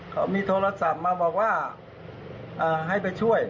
เขามีโทรศัพท์มาบอกว่าให้ไปช่วย